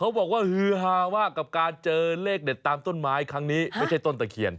บอกว่าฮือฮามากกับการเจอเลขเด็ดตามต้นไม้ครั้งนี้ไม่ใช่ต้นตะเคียน